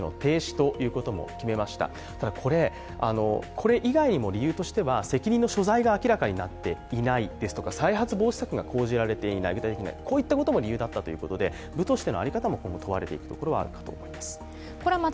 これ以外も理由としては、責任の所在が明らかになっていないですとか再発防止策が講じられていない、こういったことも理由だったということで部としての在り方も問われています。